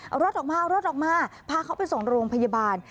เอารถออกมาเอารถออกมาพาเขาไปส่งโรงพยาบาล